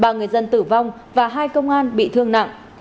ba người dân tử vong và hai công an bị thương nặng